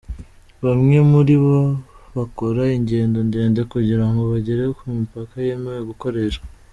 Bamwe muri bo bakora ingendo ndende kugira ngo bagere ku mipaka yemewe gukoreshwa.